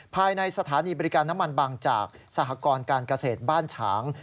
ภายในสถานีบริการน้ำมันบางจากสหกรการเกษตรบ้านฉาง